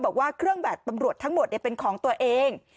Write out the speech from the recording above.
บอกว่าเครื่องแบบตำรวจทั้งหมดเป็นของตัวเอง